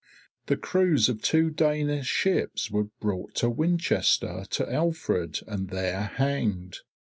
The crews of two Danish ships were brought to Winchester to Alfred and there hanged.